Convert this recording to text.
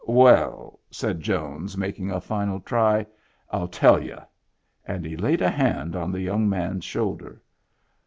'"Well," said Jones, making a final try, " I'll tell y'u." And he laid a hand on the young man's shoulder.